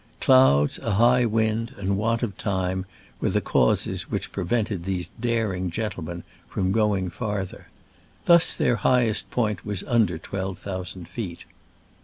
Clouds, a high wind and want of time were the causes which prevented these daring gentlemen from going farther. Thus their highest point was under twelve thousand feet.